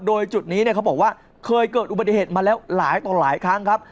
โดยจุดนี้เขาบอกว่าเคยเกิดอุบัติเหตุมาแล้วหลายต่อหลายครั้งครับ